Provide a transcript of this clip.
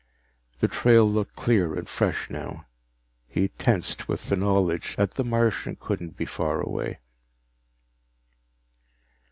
The trail looked clear and fresh now. He tensed with the knowledge that the Martian couldn't be far away.